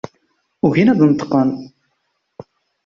Ugin ad d-neṭqen.